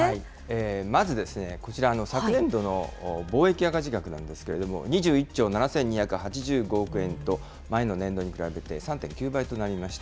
まずですね、こちら、昨年度の貿易赤字額なんですけれども、２１兆７２８５億円と前の年度に比べて３．９倍となりました。